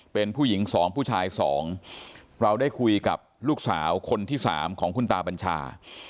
เป็นผู้หญิงสองผู้ชายสองเราได้คุยกับลูกสาวคนที่สามของคุณตาบัญชา